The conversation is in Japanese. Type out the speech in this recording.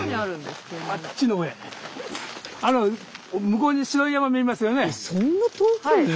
向こうに白い山見えますよね。